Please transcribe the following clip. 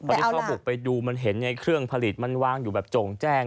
พอที่เขาบอกไปดูเครื่องผลิตมันวางอยู่แบบโจ่งแจ้ง